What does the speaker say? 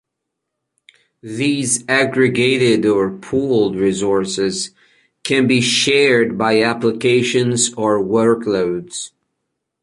These aggregated or pooled resources can be shared by applications or workloads.